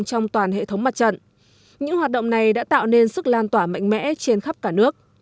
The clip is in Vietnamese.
trong toàn hệ thống mặt trận những hoạt động này đã tạo nên sức lan tỏa mạnh mẽ trên khắp cả nước